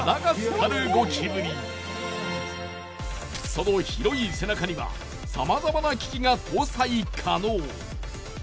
その広い背中にはさまざまな機器が搭載可能。